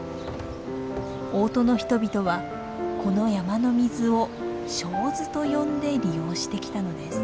大音の人々はこの山の水を清水と呼んで利用してきたのです。